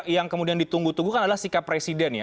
yang kemudian ditunggu tunggu kan adalah sikap presiden ya